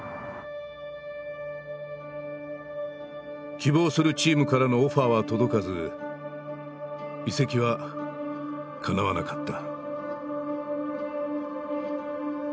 希望するチームからのオファーは届かず移籍はかなわなかった。